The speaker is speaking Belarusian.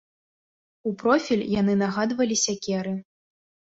У профіль яны нагадвалі сякеры.